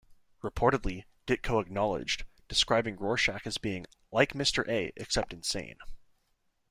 Reportedly, Ditko acknowledged, describing Rorschach as being "like Mr. A except insane".